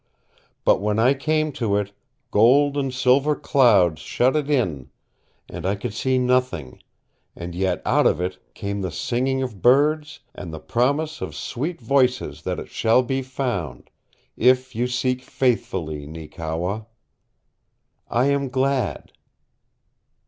But when I came to it gold and silver clouds shut it in, and I could see nothing, and yet out of it came the singing of birds and the promise of sweet voices that it shall be found if you seek faithfully, Neekewa. I am glad."